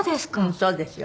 そうですか。